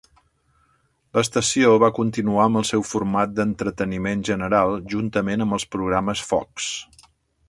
L'estació va continuar amb el seu format d'entreteniment general, juntament amb els programes Fox.